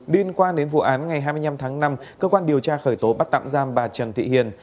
liên quan đến vụ án ngày hai mươi năm tháng năm cơ quan điều tra khởi tố bắt tạm giam bà trần thị hiền